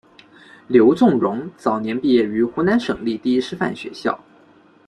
刘仲容早年毕业于湖南省立第一师范学校。